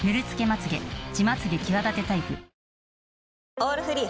「オールフリー」